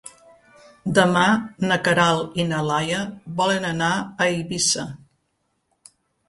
Demà na Queralt i na Laia volen anar a Eivissa.